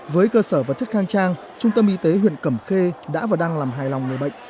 với cơ sở vật chất khang trang trung tâm y tế huyện cẩm khê đã và đang làm hài lòng người bệnh